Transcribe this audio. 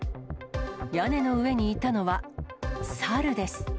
屋根の上にいたのは、サルです。